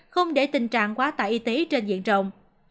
không để tình trạng quá tải y tế trên diện rộng